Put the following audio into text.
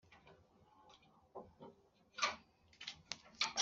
byaba amahire n'abasingiza